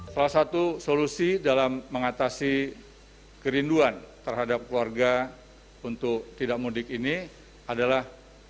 salah satu solusi dalam mengatasi kerinduan terhadap keluarga untuk tidak mudik ini adalah